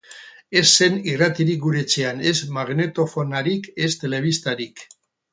Ez zen irratirik gure etxean, ez magnetofonarik, ez telebistarik.